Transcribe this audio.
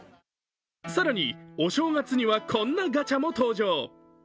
更にお正月にはこんなガチャも登場。